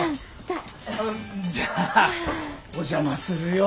じゃあお邪魔するよ。